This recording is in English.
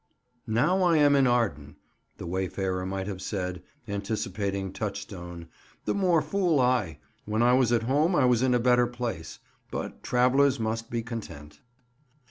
"Now am I in Arden," the wayfarer might have said, anticipating Touchstone, "the more fool I; when I was at home I was in a better place; but travellers must be content."